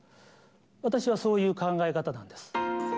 私はそういう考え方なんです。